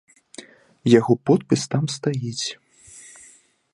Яго подпіс там стаіць.